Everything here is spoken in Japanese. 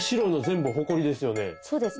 そうです。